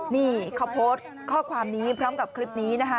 นี่เขาโพสต์ข้อความนี้พร้อมกับคลิปนี้นะคะ